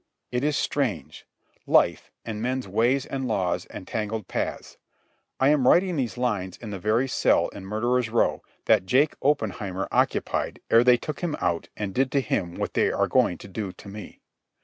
It is strange—life and men's ways and laws and tangled paths. I am writing these lines in the very cell in Murderers' Row that Jake Oppenheimer occupied ere they took him out and did to him what they are going to do to me.